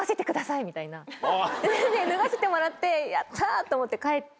脱がせてもらってやった！と思って帰って。